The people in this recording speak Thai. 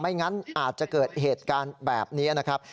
งั้นอาจจะเกิดเหตุการณ์แบบนี้นะครับ